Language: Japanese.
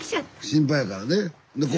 心配やからね。